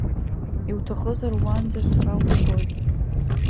Иуҭахызар уанӡа сара узгоит.